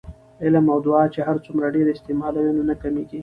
علم او دعاء چې هرڅومره ډیر استعمالوې نو نه کمېږي